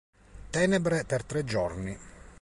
Tenebre per tre giorni.